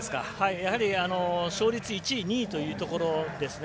やはり勝率１位、２位というところですね。